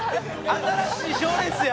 新しい賞レースや！